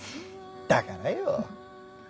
だからよ。